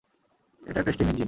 এটা একটা steam engine.